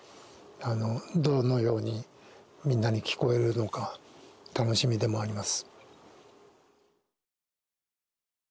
どのようにみんなに聞こえるのか楽しみでもあります。